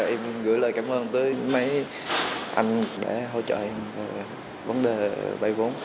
em gửi lời cảm ơn tới mấy anh đã hỗ trợ em về vấn đề vây vốn